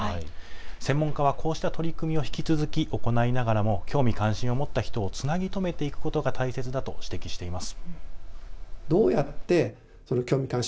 専門家はこうした取り組みを引き続き行いながらも興味関心を持った人をつなぎ止めていくことが大切だと指摘しています。